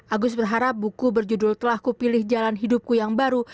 agus berharap buku berjudul telah kupilih jalan hidupku yang baru